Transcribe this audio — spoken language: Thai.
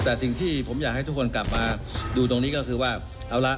แต่สิ่งที่ผมอยากให้ทุกคนกลับมาดูตรงนี้ก็คือว่าเอาละ